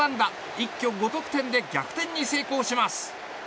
一挙５得点で逆転に成功します。